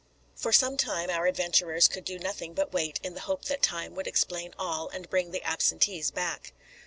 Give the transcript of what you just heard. For some time our adventurers could do nothing but wait, in the hope that time would explain all, and bring the absentees back.